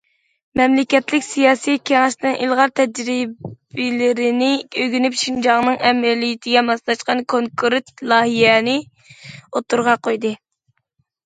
مەملىكەتلىك سىياسىي كېڭەشنىڭ ئىلغار تەجرىبىلىرىنى ئۆگىنىپ، شىنجاڭنىڭ ئەمەلىيىتىگە ماسلاشقان كونكرېت لايىھەنى ئوتتۇرىغا قويدى.